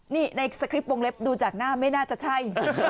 นี่ในสคริปต์วงเล็บดูจากหน้าไม่น่าจะใช่